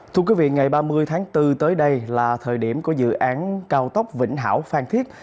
thưa quý vị ngày ba mươi tháng bốn tới đây là thời điểm của dự án cao tốc vĩnh hảo phan thiết